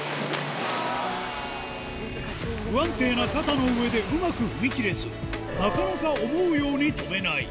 不安定な肩の上でうまく踏み切れず、なかなか思うように跳べない。